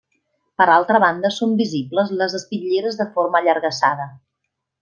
Per altra banda són visibles les espitlleres de forma allargassada.